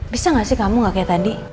bisa nggak sih kamu gak kayak tadi